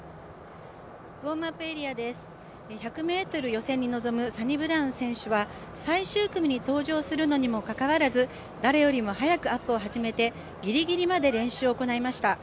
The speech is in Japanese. １００ｍ予選に臨むサニブラウン選手は最終組に登場するのにもかかわらず誰よりも早くアップを始めてギリギリまで練習を行いました。